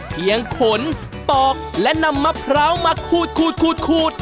ขนปอกและนำมะพร้าวมาขูด